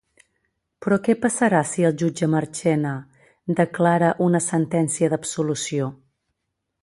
Però què passarà si el jutge Marchena declara una sentència d'absolució?